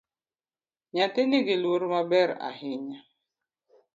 Nyathini nigiluor maber ahinya